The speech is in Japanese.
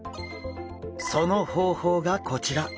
その方法がこちら。